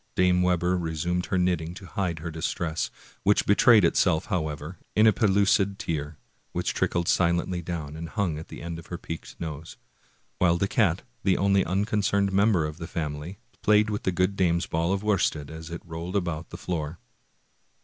Dame Webber resumed her knitting to hide her distress, which betrayed itself, however, in a pellucid tear, which trickled silently down, and hung at the end of her peaked nose; while the cat, the only unconcerned member of the family, played with the good dame's ball of worsted as it rolled about the floor.